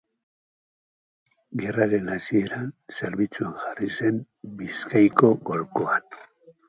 Gerraren hasieran zerbitzuan jarri zen Bizkaiko golkoan.